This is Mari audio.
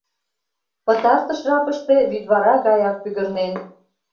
Пытартыш жапыште вӱдвара гаяк пӱгырнен.